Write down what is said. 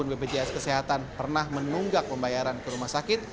bpjs kesehatan pernah menunggak pembayaran ke rumah sakit